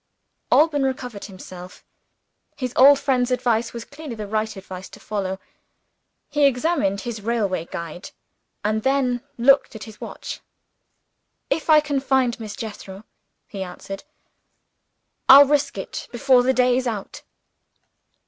Alban recovered himself. His old friend's advice was clearly the right advice to follow. He examined his railway guide, and then looked at his watch. "If I can find Miss Jethro," he answered, "I'll risk it before the day is out."